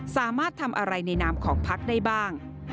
สามารถทำอะไรในนามของพักได้บ้าง